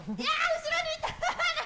後ろにいた！